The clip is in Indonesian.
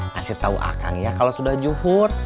kasih tahu akang ya kalau sudah juhur